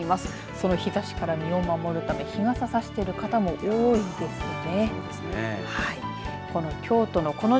その日ざしから身を守るため日傘差してる方も多いですね。